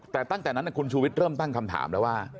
แต่ตั้งแต่นั้นคุณชูวิทย์เริ่มตั้งคำถามแล้วว่า